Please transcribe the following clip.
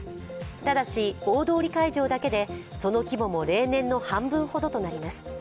ただし、大通会場だけで、その規模も例年の半分ほどとなります。